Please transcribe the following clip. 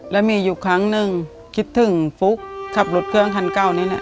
แล้วมีอยู่ครั้งหนึ่งคิดถึงฟุ๊กขับรถเครื่องคันเก่านี้นะ